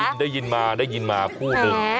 คือได้ยินมาคู่นึง